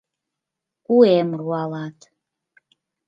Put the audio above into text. Куэм руалат